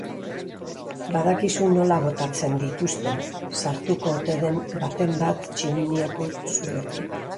Badakizu nola botatzen dituzten, sartuko ote den baten bat tximiniako zulotik.